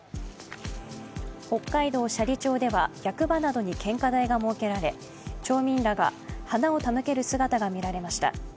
北海道斜里町では役場などに献花台が設けられ町民らが花を手向ける姿が見られました。